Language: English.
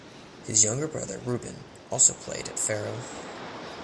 His younger brother Ruben also played at Ferro.